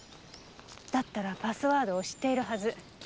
だったらパスワードを知っているはず。